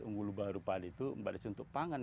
unggul baru padi itu mbak desi untuk pangan